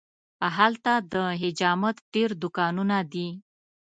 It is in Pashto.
هلته د حجامت ډېر دوکانونه دي.